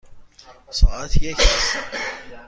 ساعت یک است.